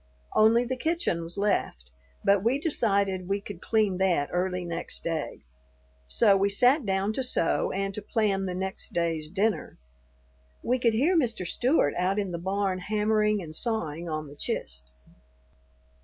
Only the kitchen was left, but we decided we could clean that early next day; so we sat down to sew and to plan the next day's dinner. We could hear Mr. Stewart out in the barn hammering and sawing on the "chist."